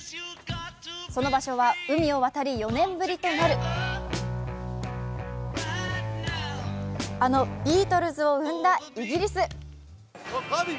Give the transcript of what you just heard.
その場所は海を渡り４年ぶりとなるあのビートルズを生んだイギリス。